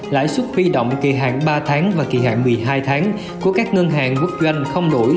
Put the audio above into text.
lãi suất huy động kỳ hạn ba tháng và kỳ hạn một mươi hai tháng của các ngân hàng quốc doanh không nổi